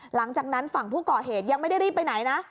หลังจากนั้นฝั่งผู้ก่อเหตุยังไม่ได้รีบไปไหนนะ